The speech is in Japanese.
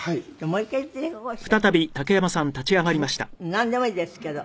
なんでもいいですけど。